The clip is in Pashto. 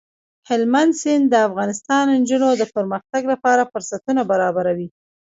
هلمند سیند د افغان نجونو د پرمختګ لپاره فرصتونه برابروي.